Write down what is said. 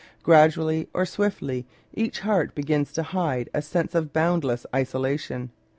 Gradually or swiftly each heart begins to hide a sense of boundless isolation.